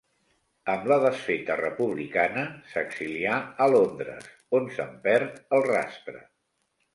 Amb la desfeta republicana, s'exilia a Londres, on se'n perd el rastre.